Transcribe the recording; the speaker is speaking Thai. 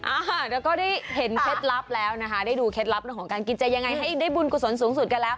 อ่าแล้วก็ได้เห็นเคล็ดลับแล้วนะคะได้ดูเคล็ดลับเรื่องของการกินจะยังไงให้ได้บุญกุศลสูงสุดกันแล้ว